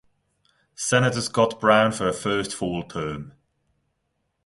Senator Scott Brown for her first full term.